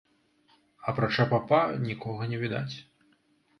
Апрача папа, нікога не відаць.